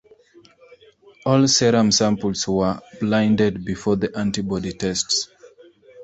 All serum samples were blinded before antibody tests.